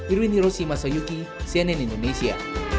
irwin hiroshi masayuki cnn indonesia